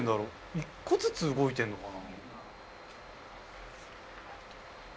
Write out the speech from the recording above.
１個ずつ動いてんのかな？